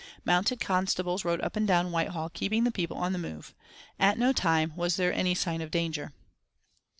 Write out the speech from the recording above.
Mounted constables rode up and down Whitehall keeping the people on the move. At no time was there any sign of danger....